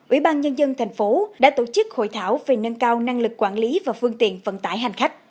ủy ban nhân dân thành phố đã tổ chức hội thảo về nâng cao năng lực quản lý và phương tiện vận tải hành khách